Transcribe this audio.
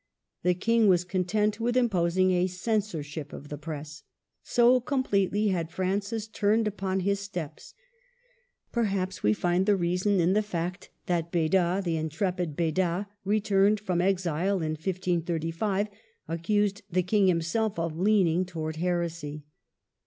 The King was content with imposing a censorship of the Press. So com.pletely had Francis turned upon his 154 MARGARET OF ANGOUL^ME. steps. Perhaps we find the reason in the fact that Beda, the intrepid Beda, returned from ex ile in 1535, accused the King himself of leaning towards heresy.